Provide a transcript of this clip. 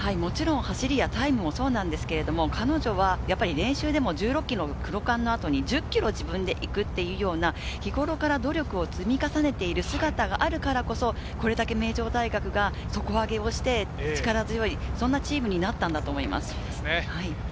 走りやタイムもそうですが彼女は練習でも１６ｋｍのクロカンの後に１０ｋｍ自分で行くっていうような日頃から努力を積み重ねている姿があるからこそ、これだけ名城大学が底上げをして力強いチームになったんだと思います。